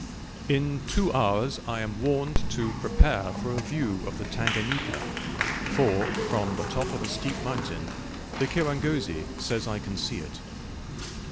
In two hours I am warned to prepare for a view of the Tanganika, for, from the top of a steep mountain the kirangozi says I can see it.